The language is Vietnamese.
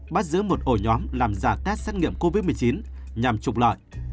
bắt giữ một ổ nhóm làm giả test xét nghiệm covid một mươi chín nhằm trục lợi